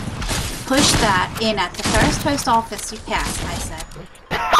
"Push that in at the first post office you pass," I said.